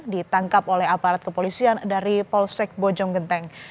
ditangkap oleh aparat kepolisian dari polsek bojong genteng